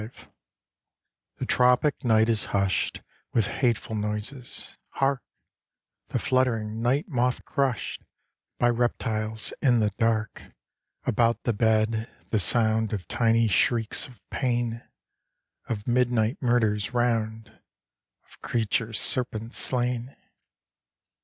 V The tropic night is husht With hateful noises—hark! The fluttering night moth crusht By reptiles in the dark About the bed; the sound Of tiny shrieks of pain; Of midnight murders round; Of creatures serpent slain.